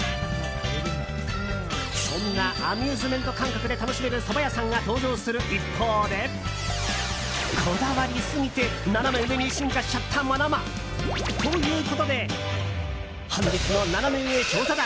そんなアミューズメント感覚で楽しめるそば屋さんが登場する一方でこだわりすぎてナナメ上に進化しちゃったものも。ということで本日のナナメ上調査団！